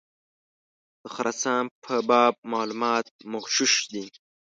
د خراسان په باب معلومات مغشوش دي.